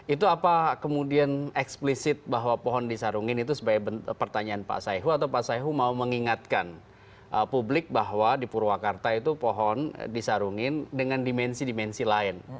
itu apa kemudian eksplisit bahwa pohon disarungin itu sebagai pertanyaan pak saihu atau pak saihu mau mengingatkan publik bahwa di purwakarta itu pohon disarungin dengan dimensi dimensi lain